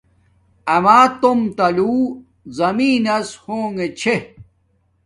اما توم تولو زمینن نس ہونگے چھے